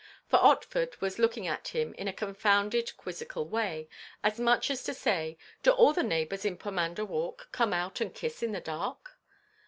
For Otford was looking at him in a confounded quizzical way, as much as to say "Do all the neighbours in Pomander Walk come out and kiss in the dark?"